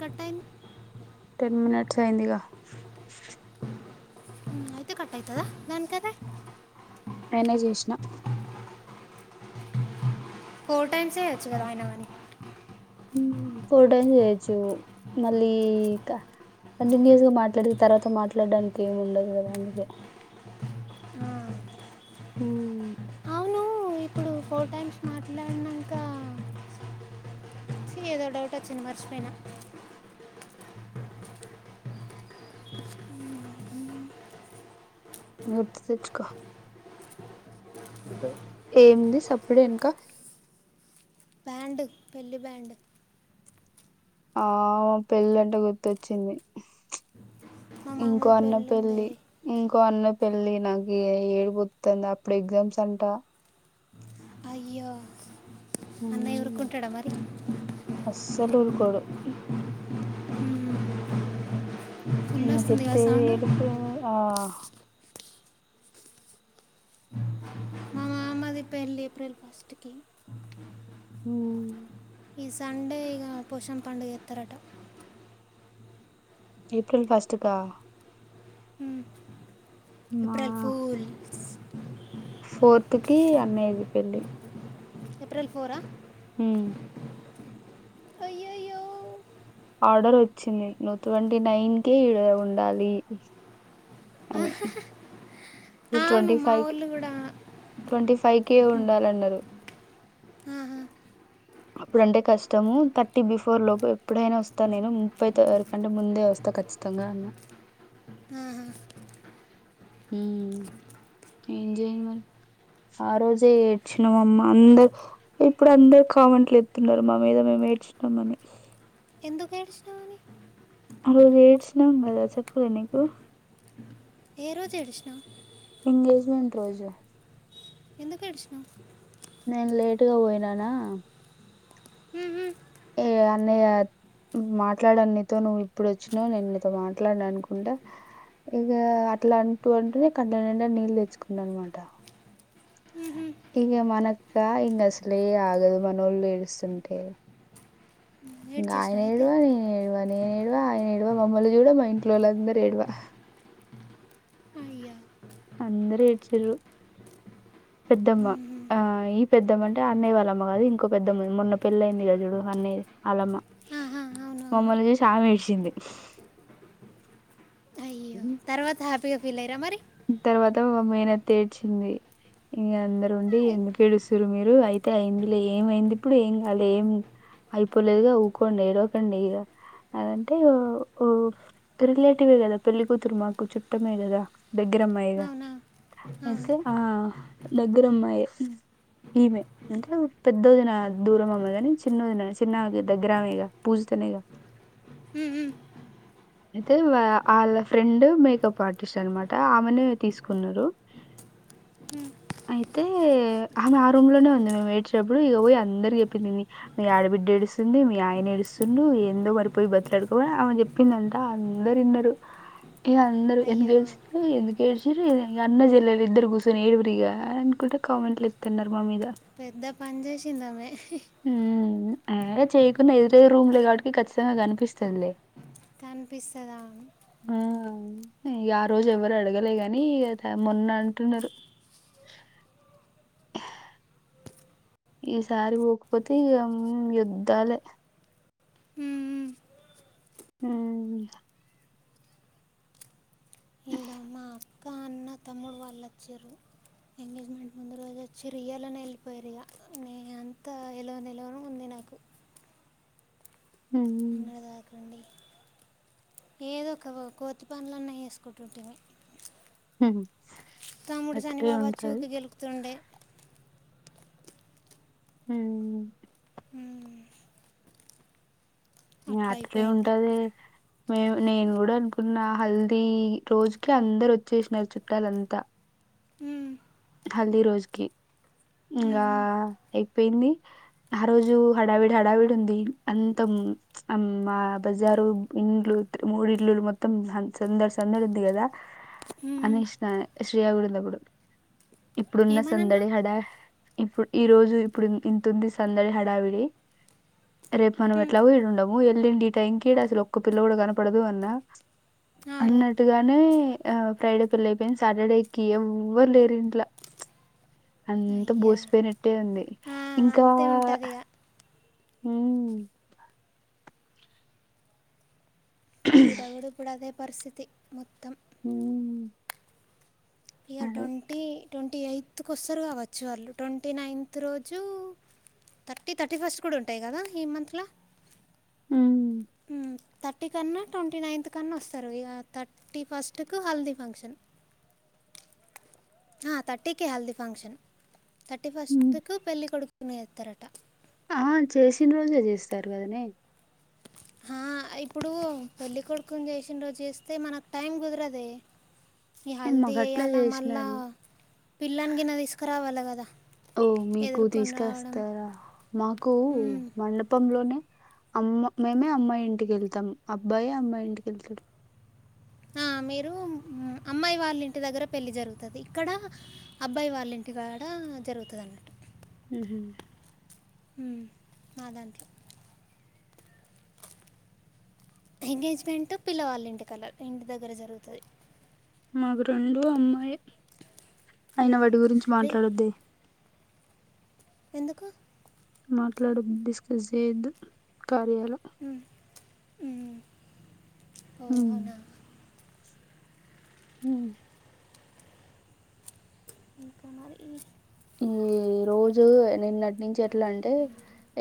కటన్ ten minutes అయిందిగా అయితే కట్టవుతుదా దానికదే నేనే చేసిన ఫోర్ ఫోర్ టైమ్స్ వచ్చు కదా ఆయన కానీ ఫోర్ టైమ్స్ చేయచ్చు మళ్ళీ క కంటిన్యూయస్ గా మాట్లాడి తర్వాత మాట్లాడడానికి ఏమి ఉండదు కదా అందుకే హ అవును ఇప్పుడు ఫోర్ టైమ్స్ మాట్లాడినంక ఏదో డౌట్ వచ్చింది మర్చిపోయిన గుర్తు తెచ్చుకో ఏమింది సప్పుడెనుక బ్యాండ్ పెళ్లి బ్యాండ్ ఆ పెళ్ళంటే గుర్తొచ్చింది మా ఇంకో మామది అన్న పెళ్ళి ఉంది పెళ్లి ఇంకో అన్న పెళ్ళి నాకు ఇగ ఏడుపొస్తుంది అప్పుడు ఎగ్జామ్స్ అంట ఉ కుట్టడ మరి అస్సలు ఊరుకోడు ఫుల్ వస్తుంది కదా మకితే సౌండ్ ఏడుపే ఆ ఫస్ట్ కి హమ్ ఈ సండే ఇక పోశం పండుగ ఎత్తరట ఏప్రిల్ ఫస్ట్ కా. హుమ్మ్. మా ఏప్రిల్ ఫూల్స్. ఫోర్త్ కి అన్నయ్య ది పెళ్లి. ఏప్రిల్ ఫోరా. హుమ్మ్. అయ్యయ్యో. ఆర్డర్ ఓచ్చింది, నువ్ ట్వంటీ నైన్ కే ఈడ ఉండాలి. అని. అవును ట్వంటీ మా ఫైవ్ కి, ఊళ్ళు కూడా ట్వంటీ ఫైవ్ కేే ఉండాలన్నారు. ఆహా, అప్పుడు అంటే కష్టము, థర్టీ బిఫోర్ లోపు. ఎప్పుడైనా వస్తా నేను, ముప్పై తారిక్ కంటే ముందే వస్తా, ఖచ్చితంగా అన్నా. ఆహా. హుమ్మ్ ఏం జేయేను మరి, ఆ రోజే ఏడ్చినావమ్మా అందర్ ఇప్పుడు అందరు కామెంట్లు ఎత్తున్నారు, మా మీద మేము ఏడ్చినాం అని. ఎందుకు ఏడ్చినవ్ నువ్. ఆరోజు ఏడ్చినం కదా చెప్పాలే నీకు. ఏ రోజు ఏడ్సినవ్. ఎంగేజ్మెంట్ రోజు. ఎందుక్ ఏడ్చినావ్. నేన్ లేటుగా పోయినానా. హుహుమ్. ఏ అన్నయ్య మాట్లాడనీతో నువ్వు ఇప్పుడు వచ్చినావు, నేన్ నీతో మాట్లాడాన్ అనుకుంటా, ఇగా అట్లా అంటూ ఉంటేనే కండ్ల నిండా నీళ్ళు తెచ్చుకున్నా అన్నమాట. ఇగా మనక్. కా ఇంగా అసలే ఆగదు మనోళ్ళు ఏడుస్తుంటే. ఇంగా ఆయన ఏడ్చేసినావు అయితే ఏడ్వ, నేన్ ఏడ్వ, నేన్ ఏడ్వ ఆయన ఏడ్వ, మమ్మల్ని చూడ మా ఇన్. ఇంట్లోలందరూ ఏడ్వ. అయ్యా. అందర్ ఏడ్చిండ్రు. పెద్దమ్మ ఆ ఈ పెద్దమ్మంట్. అంటే అన్నయ్య వాళ్లమ్మ కాదు, ఇంకో పెద్దమ్మ మొన్న పెళ్ళి అయింది కద చూడు, ఆ అన్నయ్య ది అలమ్మ ఆహా అవునవును మమ్మల్ని చూసి ఆమె ఏడ్చింది. తర్వాత హ్యాప్. పీగా ఫీల్ అయిన్ర మరి. తర్వాత మా మేనత్త ఏడ్చింది. ఇగా అందరు ఉండి అయ్. ఎందుకు ఏడుస్తున్రు మీరు, అయితే అయింది లే ఏమైంది ఇప్పుడు ఏం కాలే, ఏం అయిపోలేదుగా ఊకోండి ఏడవకండి ఇగా. అనంటే ఇగ ఓ ఓ రిలేటివే కదా పెళ్ళి కూతురు మాకు చుట్టమే కదా. దగ్గరమ్మాయేగా, అవునా అవును అయితే ఆ దగ్గరమ్మాయే ఈమె. పెద్దోదిన దూరం అమ్మాయే కాని, చిన్నోదిన చిన్నమే దగ్గరమేగా పూజితనేగా. మ్మ్మ్. అయితే వా ఆళ్ళ ఫ్రెండ్ మేకప్ ఆర్టిస్ట్ అన్నమాట. ఆమెనే తీసుకున్నారు, అయితే ఆమె ఆ రూమ్ లోనే ఉన్నాది మేము ఏడ్చేటప్పుడు. ఇగా పోయి అందరుకి చెప్పింది. మీ మీ ఆడబిడ్డ ఏడుస్తుంది, మీ ఆయన ఏడుస్తుండు, ఏందో మరి పోయి బ్రతిమిలాడుకో ఆమె చెప్పింది అంట. అందరు ఇన్నారు. ఇగా అందరు ఎందుకు అయ్యో ఏడుస్తుండ్రు ఎందుకు ఏడ్చిండ్రు, ఇగ అన్న జెల్లెలు ఇద్దరు కూర్చొని ఏడువురిగా, అనుకుంట కామెంట్లు ఇత్తూన్నారు మా మీద. పెద్ద పన్ చేసిందమే. ఇగ చేయకున్న, ఎదురేదురు రూమ్లే కాబట్టికి ఖచ్చితంగా కనిపిస్తదిలే. కనిపిస్తదా. హ్మ్. ఇగ ఆ రోజు ఎవరు అడగలే గా, ఇగ త మొన్న అంటున్నారు. ఈసారి పోకపోతే ఇగ యుద్దాలే హమ్ ఇడమా ఇంకా అన్న తమ్ముడు వాళ్ళు అచ్చిండ్రు హ్మ్ ఇంగా రాకండి ఏదో ఒక కోతి పనులన్న చేసుకుంటుంటిమి హమ్ తమ్ముడు శనిబాబా చూపి గెలుకుతుండే హుమ్ అట్లా అట్లే అయిపోయింది ఉంటది మే నేను గూడా అనుకున్నా హల్దీ రోజుకి అందరు వచ్చేసినారు చుట్టాలంతా ఉమ్, హల్దీ రోజుకి ఉమ్, ఇంగా ఉమ్, అయిపోయింది ఆ రోజు హడావిడి హడావిడి ఉంది అంతం మా బజారు ఇండ్లు మూడిడ్లులు మొత్తం సంద సందడి ఉంది కదా ఉమ్, ఉమ్. అనేసిన శ్రీయా కూడా ఉంది అప్పుడు ఇప్పుడున్న సందడి ఏమనన్నావు హడా ఇప్పుడు ఈ రోజు ఇప్పుడు ఇంత ఉంది సందడి హడావిడి రేపు మనం ఉమ్, ఎట్లాగో ఈడుండము వెళ్ళిండి ఈ టైంకి అసలు ఒక్క పిల్ల కూడా కనపడదు అన్నా అవును అన్నట్టుగానే ఆ ఫ్రైడే పెళ్లి అయిపోయింది సాటర్డేకిి ఎవ్వరు లేరు అట్ల అంత అయ్యా బోసిపోయినట్టే ఉంది ఆ, ఇంకా అంతే ఉంటుంది ఇక హుమ్ ఈ డైవ్డు కూడా పరిస్థితి మొత్తం హుమ్ ఇయర్ ట్వంటీ ట్వంటీ ఎయిత్కి వస్తరు కావచ్చు వాళ్ళు ట్వంటీ నైన్త్ రోజు థర్టీ థర్టీ ఫస్ట్ కూడా ఉంటాయి కదా ఈ మంతల హుమ్ థర్టీ కన్నా ట్వంటీ నైన్త్ కన్నా వస్తరు ఇక థర్టీ ఫస్ట్కు హల్దీ ఫంక్షన్ ఆ థర్టీకి హల్దీ ఫంక్షన్ తట్టి హ్మ్ ఫస్ట్కు పెళ్లి కొడుకు ఎన్నో ఎత్తరట ఆ చేసిన రోజే చేస్తరు కదనే ఆ ఇప్పుడు పెళ్ళ కొడుకుని చేసిన రోజు చేస్తే మనకు టైం కుదరదే ఈ నేను హల్దీ మాకు అట్లా చెయ్యాలా మళ్ళా చేసినారు పిల్లాని గిన్న తీసుకరావాల కదా ద ఓ మీకు తీసుకస్తారా మాకు మ్మ్. మండపంలోనే అమ్మ మేమే అమ్మాయి ఇంటికి వెళ్తాం అబ్బాయి అమ్మాయి ఇంటికి వెళ్తరు ఆ మీరు అమ్మాయి వాళ్ళంటి దగ్గర పెళ్ళి జరుగుతది ఇక్కడ అబ్బాయి వాళ్ళింటి కాడా జరుగుతది అన్నట్టు ఉహూ ఉమ్ మా దాంట్లో ఎంగేజ్మెంట్ పిల్లవాళ్ళ ఇంటి కలర్ ఇంటి దగ్గర జరుగుతది మాకు రెండు అమ్మాయే అయిన మ్మ్. వాటి గురించి రే మాట్లాడొద్దే ఎందుకు మాట్లాడు డిస్కస్ జెయ్యద్దు కార్యాల మ్మ్. మ్మ్. ఓ ఔనా మ్మ్ ఇంకామరి ఈ ఈ రోజు నిన్న నించి ఎట్లా అంటే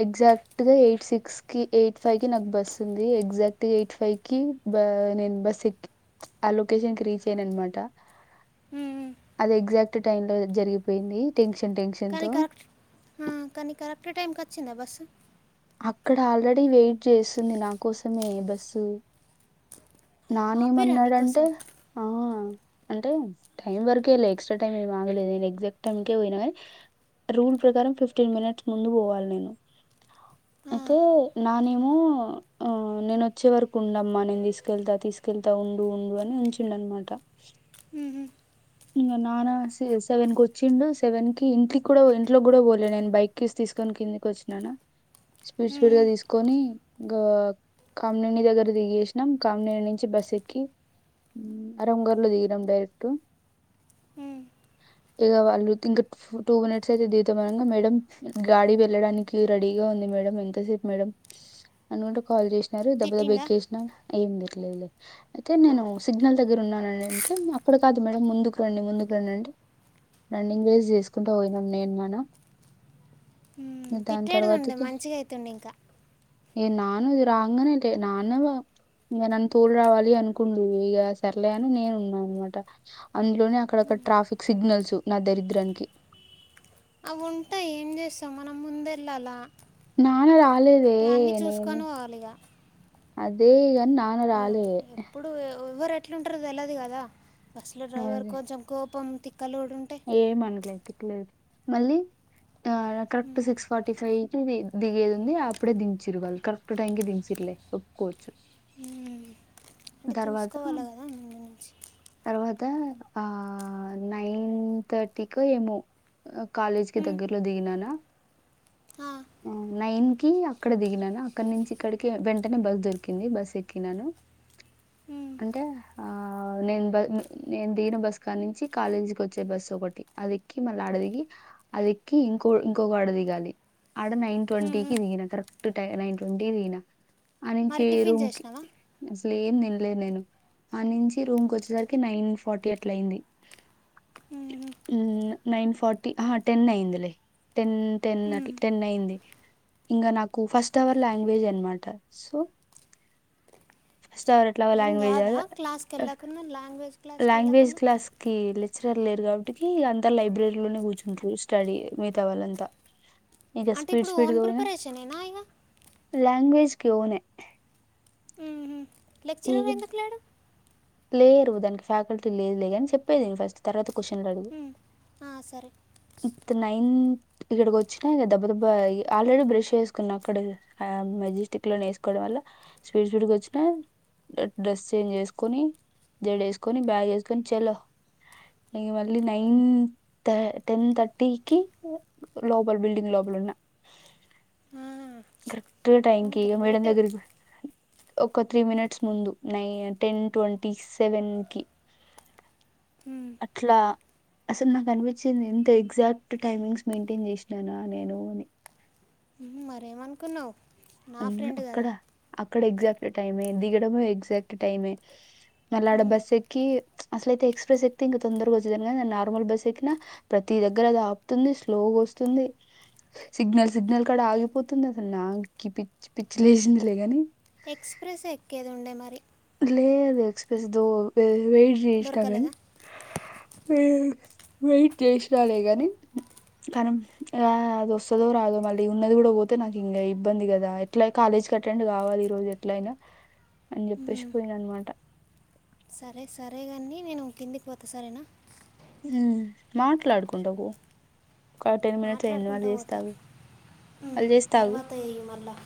ఎగ్జాక్ట్ క్ట్ గా ఎయిట్ సిక్స్ కి ఎయిట్ ఫైవ్ కి నాకు బస్ ఉంది ఎగ్జాక్ట్ ఎయిట్ ఫైవ్ కి నేను బస్ ఎక్ ఆ లొకేషన్ కి రీచ్ ఐన అనమాట మ్మ్. అది ఎగ్జాక్ట్ టైమ్ లో జరిగిపోయింది థింగ్స్ కానీ కరెక్ట్ ఆ కానీ కరెక్ట్ టైం క చ్చిందా బస్సు అక్కడ ఆల్రెడీ వెయిట్ చేస్తుంది నా కోసమే బస్సు ఆపిరా నానేమన్నాడంటే నీకోసం ఆ అంటే టైం వరకే లే ఎక్స్ట్రా టైమ్ ఏం ఆగలేదు నేను ఎగ్జాక్ట్ టైంకే పోయినా కాని రూల్ ప్రకారం ఫిఫ్టీన్ మినిట్స్ ముందు పోవాలి నేను ఆ, ఐతే నానే మో నేనొచ్చే వరకుండమ్మా నేను తీస్ కెళ్తా తీసుకెళ్తా ఉండు ఉండు అని ఉంచిండనమాట ఉహు ఇంకా నాన్న సెవెన్ కొచ్చిండు సెవెన్ కి ఇంటిక్కూడా ఇంట్లోక్కూడా పోలే నేను బైక్ కీస్ తీసుకొని కిందికొచ్చినానా స్పీడ్ స్పీడ్ గా మ్మ్. తీస్కొని ఇంకా కామినేని దగ్గర దిగేసినాం కామినేని నుంచి బస్ ఎక్కి అరంగర్లో దిగినాం డైరెక్ట్ మ్మ్. ఇగ వాళ్ళు ఇంకా టూ మినిట్స్ అయితే దీతా అనగా మేడం గాడి వెళ్ళడానికి రెడీగా ఉంది మేడం ఎంతసేపు మేడం అనుకుంట కాల్ చేసి నారు గబ గబ తిట్టిండా ఎక్కేసినా అయ్యింది లేదులే అయితే నేను సిగ్నల్ దగ్గరున్నానేనంటే అక్కడ కాదు మే ముందుకు రండి ముందుకు రండి అంటే రన్నింగ్ రేస్ చేసుకుంటా పోయినాం నేను నాన్న ఇక దాని తిట్టేడిదుండే తర్వాతకి మంచిగైతుండింక ఏ నాను ఇది రాంగానే లే నాన్న ఇంగ నన్ను తోడు రావాలి అనుకుండు ఇగ సర్లే అని నేను ఉన్నా అనమాట అందులోనే అక్కడక్కడ ట్రాఫిక్ సిగ్నల్స్ నా దరిద్రానికి అవుంటాయి ఏం చేస్తాం మనం ముందెళ్ళాల నాన్న రాలేదే నేను చూసుకొని అదేగన్న ఇగ ఎప్పుడూ ఎవ్వరెట్లుంటరో తెల్వదు గదా బస్ లో డ్రైవర్ కొంచెం కోపం తిక్కలు కూడా ఉంటే ఏ మనలే ఎతుకు లేదు మళ్ళీ ఆ కరెక్ట్ సిక్స్ ఫార్టీ ఫైవ్ తిధి దిగేదుంది అప్పుడే దించిరు వాలు కరెక్ట్ టైం కె దించరలే ఒక్కకోవచ్చు హ అంటే చూసుకోవాలి కదా ముందు నుంచి తర్వాత ఆ నైన్ తర్టీక ఏమో కాలేజ్ కి ఉమ్, దగ్గరలో దిగినానా ఆ నైన్ కి అక్కడ దిగినాను అక్కడ నుంచి ఇక్కడికి వెంటనే బస్ దొరికింది బస్ ఎక్కినాను ఉమ్, అంటే ఆ నేను బ నేను దిగిన బస్ కానుంచి కాలేజీకి వచ్చే బస్సు ఒకటి అది ఎక్కి మళ్ళీ ఆడ దిగి అది ఎక్కి ఇంకో ఇంకొక ఆడ దిగాలలి ఆడ నైన్ ఉమ్, ఉమ్. ట్వంటీకిి దిగిన కరెక్ట్ టై నైన్ ట్వంటీకి దిగిన ఆ నుంచి మరి ఏ టిఫిన్ రూమ్కి చేసినావా లేదు నేను ఆ నుంచి రూమ్ వచ్చేసరికి నైన్ ఫార్టీ అట్లా అయింది ఉమ్, నైన్ ఫార్టీ టెన్ అయిందిలే టెన్ టెన్ ఉమ్. టెన్ అయింది ఇంకా నాకు ఫస్ట్ అవర్ లాంగ్వేజ్ అనమాట సో ఫస్ట్ అవర్ ఎట్లా ఏం కాదా క్లాస్కి లాంగ్వేజ్ వెళ్ళకుంన్నా లాంగ్వేజ్ క్లాస్కి వెళ్లకున్న సార్ లేరు కాబట్టి అంతా లైబ్రరీలోనే కూర్చుంటారు స్టడీ మిగతా వాళ్ళంతా ఇక అంటే స్పీడ్ ఇప్పుడు ఓన్ స్పీడ్గా పోయినా ప్రిపరేషన్ ఏనా ఇగ లాంగ్వేజ్ కి ఓనే ఇగ లెక్చరర్ ఎందుకు లేడు లేరు దానికి ఫ్యాకల్టీ లేదు లే అని చెప్పేది ఫస్ట్ తర్వాత క్వశ్చన్లు అడుగు ఉమ్, ఆ, సరే ఇత్ నైన్ ఇక్కడికి వచ్చినా దెబ్బ దెబ్బ ఆల్రెడీ బ్రష్ వేసుకున్నా అక్కడ మెజెస్టిక్ లోనే వేసుకోవడం వల్ల స్పీడ్ స్పీడ్ వచ్చినా డ్రెస్ చేంజ్ చేసుకొని జడ వేసుకొని బ్యాగ్ వేసుకొని చెలో ఇక మళ్ళీ నైన్ టెన్ థర్టీకి లోపల బిల్డింగ్ లోపల ఉన్న ఆ క్ట్ టైంకి ఇక మేడం గ్రేట్ దగ్గరికి ఒక త్రీ మినిట్స్ ముందు నై టెన్ ట్వంటీ సెవెన్ కి అట్లా అసలు నాకు అనిపించింది ఎంత ఎగ్జాక్ట్ టైమింగ్స్ మెయింటైన్ చేసినానా నేను అని మరి ఏమనుకున్నావ్ అ అక్కడ అక్ అక్కడ ఎగ్జాక్ట్ టైమ్ అయింది దిగడం ఎగ్జాక్ట్ టైమే మల్లడ మ్మ్. బస్సెక్కి అసలయితే ఎక్స్ప్రెస్ ఎక్తే ఇంకా తొందరగా వచ్చేదాను కానీ నార్మల్ బస్ ఎక్కినా ప్రతి దగ్గర అది ఆపుతుంది స్లోగా వస్తుంది సిగ్నల్ సిగ్నల్ కడా ఆగిపోతుంది అసలు నాక్ పిచ్ పిచ్చి లేసిందిలే గానీ ఎక్స్ప్రెస్ ఎక్కేది ఉండే మరి ఏది ఎక్స్ప్రెస్ దో దే వెయిట్ జేష్నగాని దొరకలేదా వెయిట్ చేసలే గాని కానీ అది వస్తుదో రాదో మళ్ళీ ఉన్నది కూడా పోతే నాకు ఇంకా ఇబ్బంది కదా ఎట్లా కాలేజ్కి అటెండ్ కావాలి ఈ రోజు ఎట్ల అయినా అని చెప్పేసి పోయిన అన్నమాట సరే సరేగాండి నేను కిందికి పోతా సరేనా ఉ మాట్లాడుకుంటపో మాట్లాడుకుంటా పోతా మళ్ళీ మ్మ్ చేస్తా ఆగు తర్వాత చెయ్ మళ్ళా